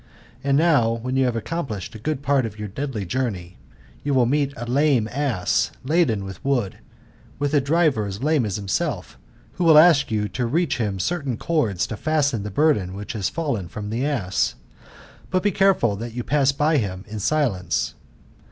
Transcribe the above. And now, when you have accomplished a good part of your deadly journey, you wilt meet a lame ass laden with wood, with a driver as lame as himsdf,^ wh\> will ask you to reach him certain cords tofasten the burden which has fallen from the ass ; but be careful that you pass hf him in silence.